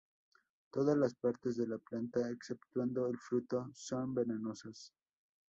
Todas las partes de la planta, exceptuando el fruto, son venenosas.